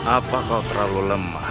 apa kau terlalu lemah